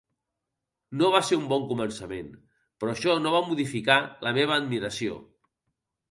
No va ser un bon començament, però això no va modificar la meva admiració.